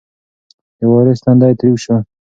د وارث تندی تریو شو.